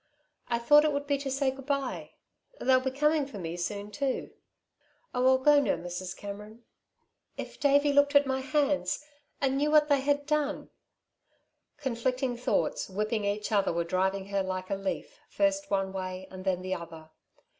I thought it would be to say good bye. They'll be coming for me soon, too. Oh, I'll go now, Mrs. Cameron. If Davey looked at my hands, and knew what they had done " Conflicting thoughts, whipping each other, were driving her like a leaf, first one way and then the other.